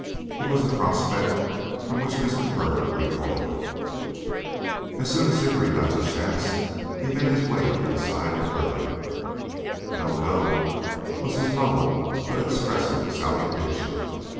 It was a prospect from which Mr. Byrd recoiled. As soon as Hickory got the chance, he made his way to the side of Byrd. "No go," was his low but expressive salutation.